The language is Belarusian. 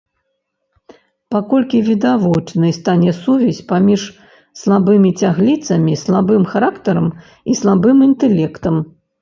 Паколькі відавочнай стане сувязь паміж слабымі цягліцамі, слабым характарам і слабым інтэлектам.